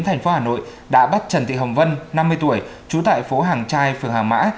thành phố hà nội đã bắt trần thị hồng vân năm mươi tuổi trú tại phố hàng trai phường hàng mã